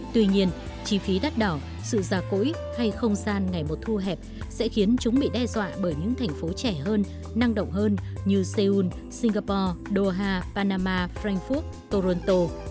tuy nhiên chi phí đắt đỏ sự già cỗi hay không gian ngày một thu hẹp sẽ khiến chúng bị đe dọa bởi những thành phố trẻ hơn năng động hơn như seoul singapore doha panama frankfurt toronto